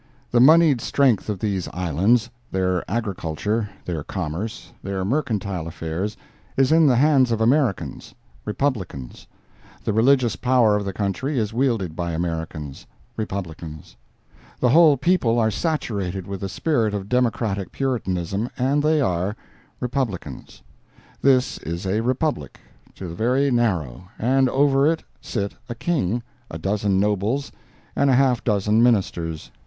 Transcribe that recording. The moneyed strength of these islands—their agriculture, their commerce, their mercantile affairs—is in the hands of Americans—republicans; the religious power of the country is wielded by Americans—republicans; the whole people are saturated with the spirit of democratic Puritanism, and they are—republicans. This is a republic, to the very marrow, and over it sit a King, a dozen Nobles and half a dozen Ministers.